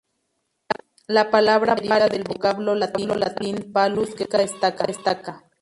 La palabra "Pale" deriva del vocablo latín "palus", que significa estaca.